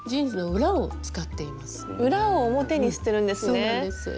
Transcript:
裏を表にしてるんですね。